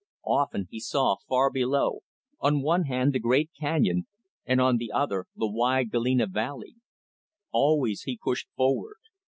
Often, he saw, far below, on one hand the great canyon, and on the other the wide Galena Valley. Always he pushed forward.